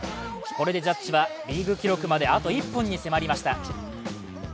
これでジャッジはリーグ記録まであと１本に迫りました。